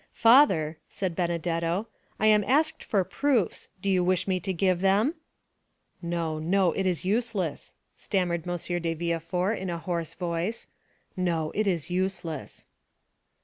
"Father," said Benedetto, "I am asked for proofs, do you wish me to give them?" "No, no, it is useless," stammered M. de Villefort in a hoarse voice; "no, it is useless!"